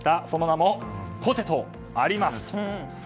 その名もポテト、あります！